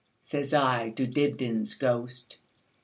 Says I to Dibdin's ghost.